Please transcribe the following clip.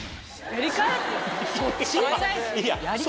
やり返す？